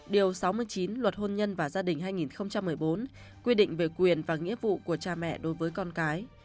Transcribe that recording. điều sáu mươi chín luật hôn nhân và gia đình hai nghìn một mươi bốn quy định về quyền và nghĩa vụ của cha mẹ đối với con cái